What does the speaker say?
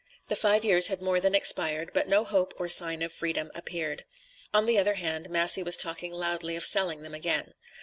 The five years had more than expired, but no hope or sign of freedom appeared. On the other hand, Massey was talking loudly of selling them again.